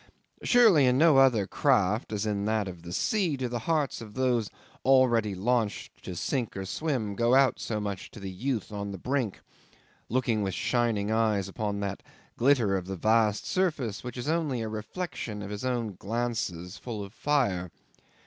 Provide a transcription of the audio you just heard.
Surely in no other craft as in that of the sea do the hearts of those already launched to sink or swim go out so much to the youth on the brink, looking with shining eyes upon that glitter of the vast surface which is only a reflection of his own glances full of fire.